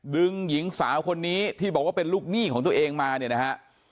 หญิงสาวคนนี้ที่บอกว่าเป็นลูกหนี้ของตัวเองมาเนี่ยนะฮะ